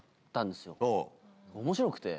面白くて。